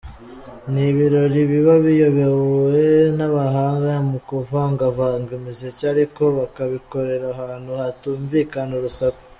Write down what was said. Ni ibirori biba biyobowe n’abahanga mu kuvangavanga imiziki ariko bakabikorera ahantu hatumvikana urusaku.